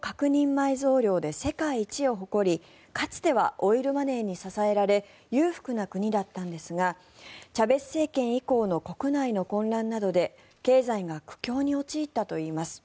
埋蔵量で世界一を誇りかつてはオイルマネーに支えられ裕福な国だったのですがチャベス政権以降の国内の混乱などで経済が苦境に陥ったといいます。